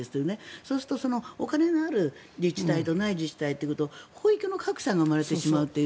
そうするとお金のある自治体とない自治体ということで保育の格差が生まれてしまうという。